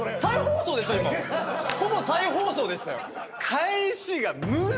ほぼ再放送でしたよ。